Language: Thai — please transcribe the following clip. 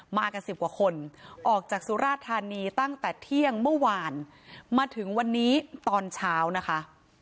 มากันสิบกว่าคนออกจากสุราธานีตั้งแต่เที่ยงเมื่อวานมาถึงวันนี้ตอนเช้านะคะ